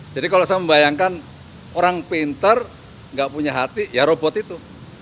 jadi kalau saya membayangkan orang pinter enggak punya hati ya robot itu